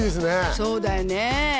そうだよね。